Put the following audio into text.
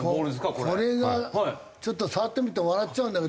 これがちょっと触ってみると笑っちゃうんだけど。